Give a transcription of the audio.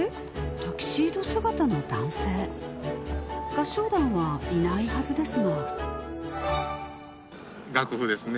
タキシード姿の男性合唱団はいないはずですが楽譜ですね。